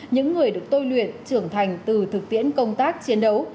những người được tôi luyện trưởng thành từ thực tiễn công tác chiến đấu